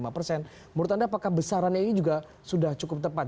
menurut anda apakah besarannya ini juga sudah cukup tepat